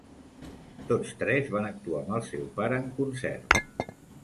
Tots tres van actuar amb el seu pare en concert.